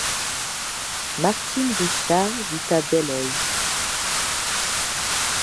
Martine Richard vit à Beloeil.